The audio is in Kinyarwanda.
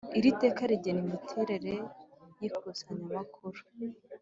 Iri teka rigena imiterere y ikusanyamakuru